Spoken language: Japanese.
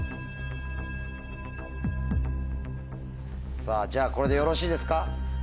さぁじゃあこれでよろしいですか？